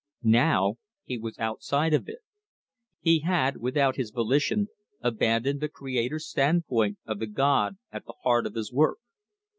Now he was outside of it. He had, without his volition, abandoned the creator's standpoint of the god at the heart of his work.